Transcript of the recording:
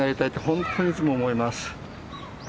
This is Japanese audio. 本当にいつも思います。